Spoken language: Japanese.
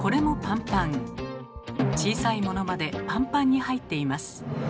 小さいものまでパンパンに入っています。